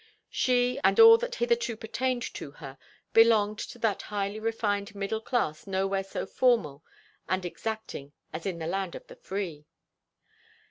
She and all that hitherto pertained to her belonged to that highly refined middle class nowhere so formal and exacting as in the land of the free.